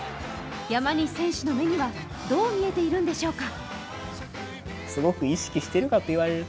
山西選手の目にはどう見えているんでしょうか